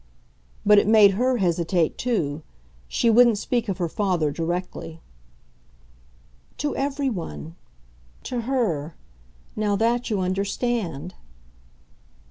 But it made her hesitate too; she wouldn't speak of her father directly. "To everyone. To her now that you understand."